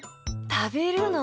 たべるの？